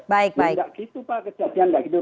tidak gitu pak kejadian kayak gitu